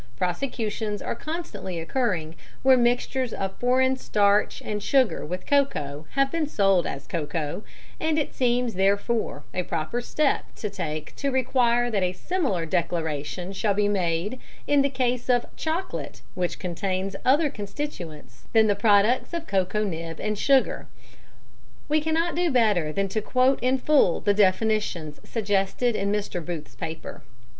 Prosecutions are constantly occurring where mixtures of foreign starch and sugar with cocoa have been sold as 'cocoa,' and it seems, therefore, a proper step to take to require that a similar declaration shall be made in the case of 'chocolate' which contains other constituents than the products of cocoa nib and sugar." We cannot do better than quote in full the definitions suggested in Mr. Booth's paper.